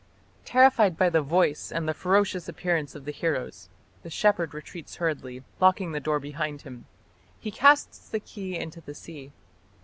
Terrified by the Voice and the ferocious appearance of the heroes, the shepherd retreats hurriedly, locking the door behind him; he casts the key into the sea.